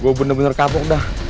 gue bener bener kapok dah